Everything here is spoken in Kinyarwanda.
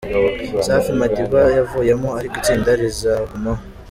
Safi Madiba yavuyemo ariko itsinda rizagumaho.